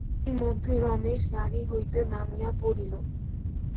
ইতিমধ্যে রমেশ গাড়ি হইতে নামিয়া পড়িল।